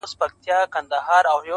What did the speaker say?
o پورته ډولک، کښته چولک.